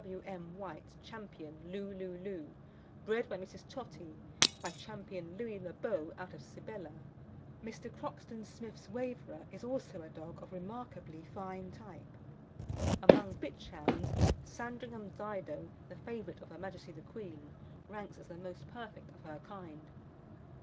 W. M. White's Ch. Loo Loo Loo, bred by Mrs. Tottie, by Ch. Louis Le Beau out of Sibella. Mr. Croxton Smith's Waverer is also a dog of remarkably fine type. Among bitch hounds Sandringham Dido, the favourite of Her Majesty the Queen, ranks as the most perfect of her kind.